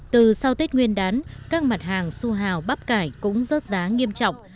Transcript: từ sau tết nguyên đán các mặt hàng su hào bắp cải cũng rớt giá nghiêm trọng